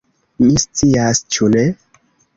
Mi scias, ĉu ne?